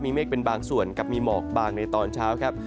มีเมฆเป็นบางส่วนกับมีหมอกบางในตอนเช้าครับ